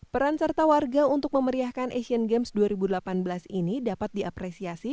peran serta warga untuk memeriahkan asian games dua ribu delapan belas ini dapat diapresiasi